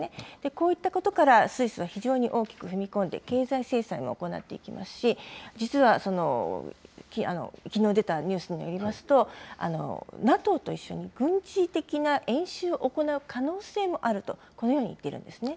こういったことから、スイスは非常に大きく踏み込んで経済制裁を行っていきますし、実は、きのう出たニュースによりますと、ＮＡＴＯと一緒に軍事的な演習を行う可能性もあると、このように言っているんですね。